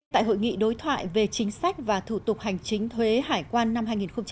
tại hội nghị đối thoại về chính sách và thủ tục hành chính thuế hải quan năm hai nghìn một mươi chín